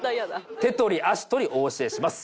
手取り足取りお教えします。